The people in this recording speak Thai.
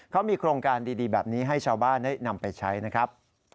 เขามีโครงการดีแบบนี้ให้ชาวบ้านได้นำไปใช้นะครับ